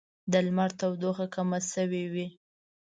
د لمر تودوخه کمه شوې وي